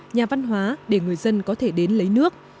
nhà văn hóa để người dân có thể đến lấy nước